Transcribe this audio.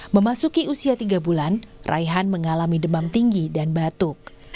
memasuki usia tiga bulan raihan mengalami demam tinggi dan batuk